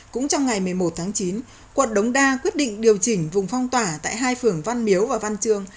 cũng trong ngày một mươi một tháng chín quận đống đa quyết định điều chỉnh vùng phong tỏa tại hai phường văn miếu và văn chương